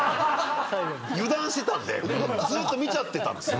油断してたんでずっと見ちゃってたんですよ。